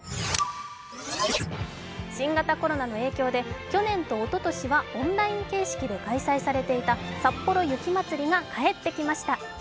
新型コロナの影響で去年とおととしはオンライン形式で開催されていたさっぽろ雪まつりが帰ってきました。